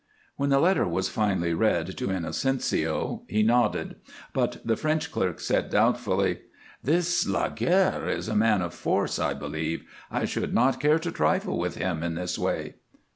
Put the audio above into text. When the letter was finally read to Inocencio he nodded; but the French clerk said, doubtfully: "This Laguerre is a man of force, I believe. I should not care to trifle with him in this way."